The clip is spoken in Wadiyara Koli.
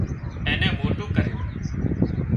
اين نين موٽون ڪريون